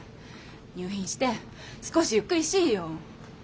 入院して少しゆっくりしいよ。